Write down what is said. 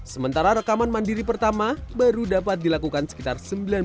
sementara rekaman mandiri pertama baru dapat dilakukan sekitar seribu sembilan ratus lima puluh